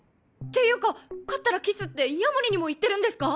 ていうか勝ったらキスって夜守にも言ってるんですか！？